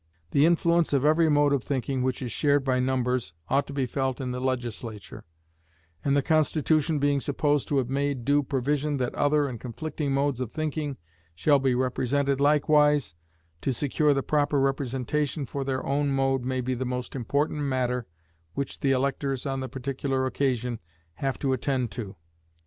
The influence of every mode of thinking which is shared by numbers ought to be felt in the Legislature; and the Constitution being supposed to have made due provision that other and conflicting modes of thinking shall be represented likewise, to secure the proper representation for their own mode may be the most important matter which the electors on the particular occasion have to attend to.